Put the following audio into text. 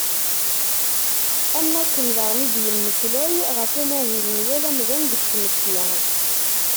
Am wakken, daɣen i d-yemmeslay ɣef umahil n yal amdan deg tmetti.